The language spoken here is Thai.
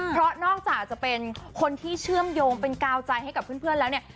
เพราะนอกจากจะเป็นคนที่เชื่อมโยงเป็นกาวใจให้กับเพื่อนแล้วเนี่ย